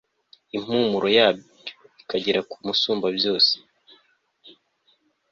impumuro yaryo ikagera ku umusumbabyose